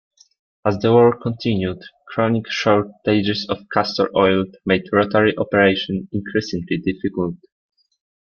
As the war continued, chronic shortages of castor oil made rotary operation increasingly difficult.